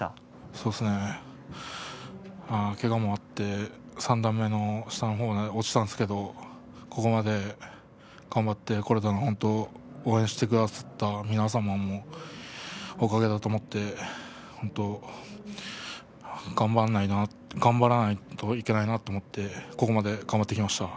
そうですね、けがもあって三段目の下の方まで落ちたんですけれどもここまで頑張ってこられたのも応援してくださった皆様のおかげだと思って本当、頑張らないといけないなと思ってここまで頑張ってきました。